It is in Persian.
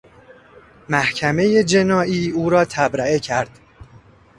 محکمهٔ جنائی او را تبرئه کرد.